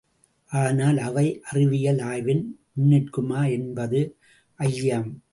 ஆனால், அவை அறிவியல் ஆய்வின் முன்னிற்குமா என்பது ஐயம்.